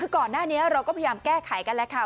คือก่อนหน้านี้เราก็พยายามแก้ไขกันแล้วค่ะ